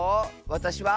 「わたしは」。